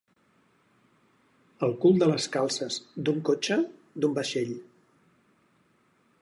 El cul de les calces, d'un cotxe, d'un vaixell.